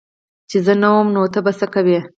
چي زه نه وم نو ته به څه کوي